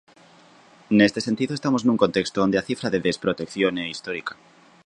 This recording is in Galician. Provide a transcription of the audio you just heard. Neste sentido, estamos nun contexto onde a cifra de desprotección é histórica.